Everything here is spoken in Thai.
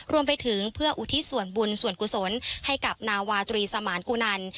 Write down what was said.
รวมไปถึงเพื่ออุทิศส่วนบุญส่วนกุศลให้กับนาวาตรีสมานกุนัน